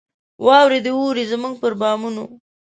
واوري دي اوري زموږ پر بامونو